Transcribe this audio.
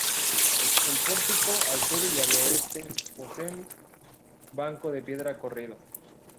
El pórtico al sur y al oeste, poseen banco de piedra corrido.